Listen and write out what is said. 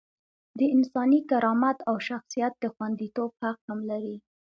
د انساني کرامت او شخصیت د خونديتوب حق هم لري.